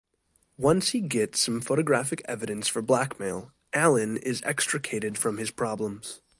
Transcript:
Once he gets some photographic evidence for blackmail, Alan is extricated from his problems.